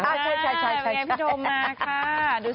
ใช่พี่โดมมาค่ะดูสิ